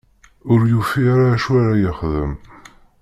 Ur yufi ara acu ara yexdem.